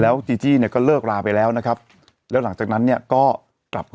จีจี้เนี่ยก็เลิกลาไปแล้วนะครับแล้วหลังจากนั้นเนี่ยก็กลับ